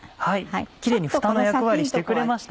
キレイにふたの役割してくれました。